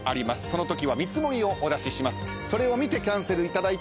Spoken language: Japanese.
その時は見積もりをお出しします。